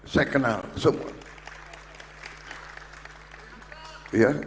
saya kenal semua